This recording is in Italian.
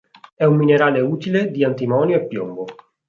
È un minerale utile di antimonio e piombo.